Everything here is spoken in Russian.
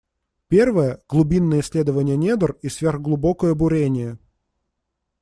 Первая — глубинное исследование недр и сверхглубокое бурение.